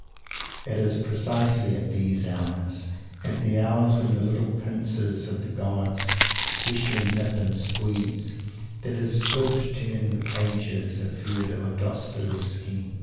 It is precisely at these hours, at the hours when the little pincers of the gods especially nip and squeeze, that it is good to turn the pages of Fyodor Dostoievsky.